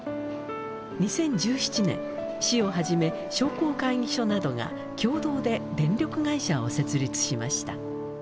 ２０１７年市をはじめ商工会議所などが共同で電力会社を設立しました。